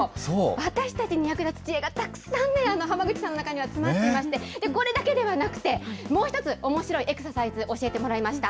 私たちに役立つ知恵がたくさんね、浜口さんの中には詰まっていまして、これだけではなくて、もう１つ、おもしろいエクササイズ教えてもらいました。